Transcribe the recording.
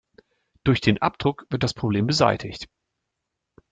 Durch den Abdruck wird das Problem beseitigt.